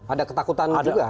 ada ketakutan juga